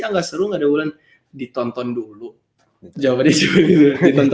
enggak seru enggak ada ulen ditonton dulu jawabnya juga ditonton ketahuan ke bulannya